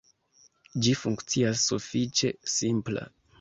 Ĝi funkcias sufiĉe simpla.